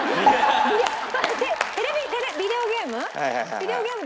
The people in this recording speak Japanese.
ビデオゲーム？